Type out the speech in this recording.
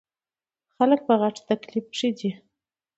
خلک په غټ تکليف کښې دے ـ